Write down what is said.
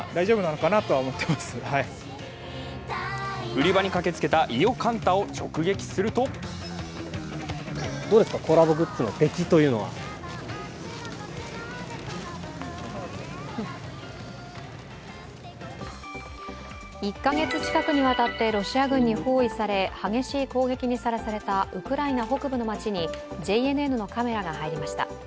売り場に駆けつけた伊予柑太を直撃すると１カ月近くにわたって、ロシア軍に包囲され、激しい砲撃にさらされたウクライナ北部の街にＪＮＮのカメラが入りました。